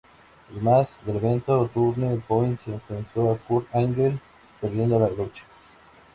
Además, en el evento Turning Point se enfrentó a Kurt Angle, perdiendo la lucha.